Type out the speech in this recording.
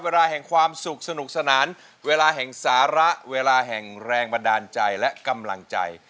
เวลาแห่งความสุขสนุกสนานเวลาแห่งสาระเวลาแห่งแรงบันดาลใจและกำลังใจ